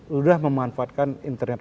sudah memanfaatkan internet